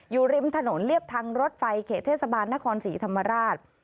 อยู่ริมถนนเลียบทางรถไฟเขตเทศบาลนครสั่งวิทยาลัยนราช